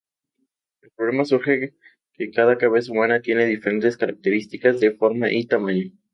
El problema surge que cada cabeza humana tiene diferentes características de forma y tamaño.